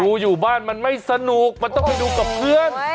อยู่บ้านมันไม่สนุกมันต้องไปดูกับเพื่อน